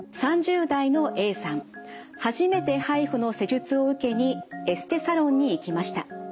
初めてＨＩＦＵの施術を受けにエステサロンに行きました。